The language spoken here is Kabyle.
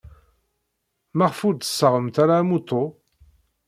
Maɣef ur d-tessaɣemt ara amuṭu?